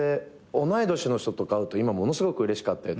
同い年の人と会うと今ものすごくうれしかったり。